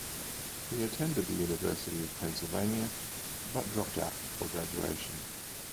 He attended the University of Pennsylvania, but dropped out before graduation.